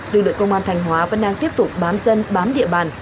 lực lượng công an thành hóa vẫn đang tiếp tục bám dân bám địa bàn